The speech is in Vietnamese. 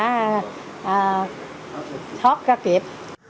chúng ta thoát ra kịp